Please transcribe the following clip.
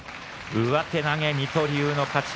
上手投げ、水戸龍の勝ち。